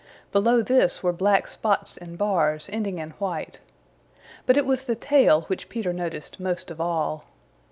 Below this were black spots and bars ending in white. But it was the tail which Peter noticed most of all.